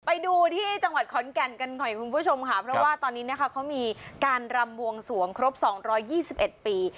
ไปดูที่จังหวัดคอนแกนกันหน่อยคุณผู้ชมค่ะเพราะว่าตอนนี้นะครับเขามีการรำวงสวงครบสองร้อยยี่สิบเอ็ดปี